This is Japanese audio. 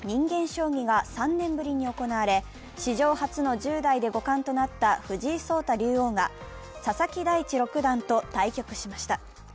将棋が３年ぶりに行われ史上初の１０代で五冠となった藤井聡太竜王が佐々木大地六段と対局しました。